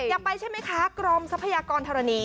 อยากไปใช่ไหมคะกรมทรัพยากรธรณี